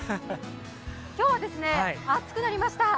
今日は暑くなりました。